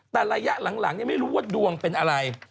แต่ระยะหลังไม่รู้ว่าดวงเป็นอะไร